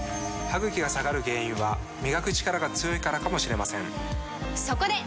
歯ぐきが下がる原因は磨くチカラが強いからかもしれませんそこで！